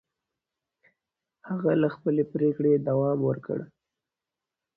هغه له خپلې پرېکړې دوام ورکړ.